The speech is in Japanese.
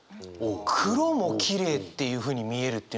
黒もきれいっていうふうに見えるっていうのがすごいな。